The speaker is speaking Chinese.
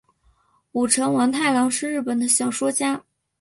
舞城王太郎是日本的小说家。